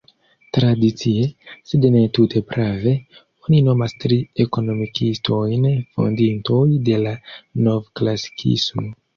Tradicie, sed ne tute prave, oni nomas tri ekonomikistojn fondintoj de la novklasikismo.